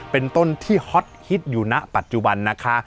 เป็นต้นที่ฮอตฮิตอยู่ณปัจจุบันนะคะ